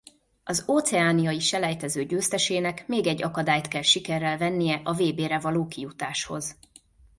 Az óceániai selejtező győztesének még egy akadályt kell sikerrel vennie a vb-re való kijutáshoz.